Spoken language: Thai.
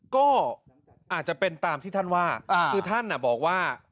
ก็อาจจะเป็นตามที่ท่านว่าคือท่านบอกว่า